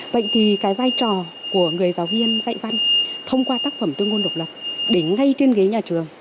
vậy thì cái vai trò của người giáo viên dạy văn thông qua tác phẩm tương ngôn độc lập để ngay trên ghế nhà trường